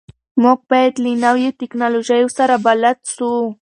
موږ باید له نویو ټکنالوژیو سره بلد سو.